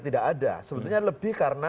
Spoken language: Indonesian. tidak ada sebetulnya lebih karena